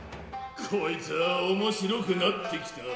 こいつぁ面白くなってきた。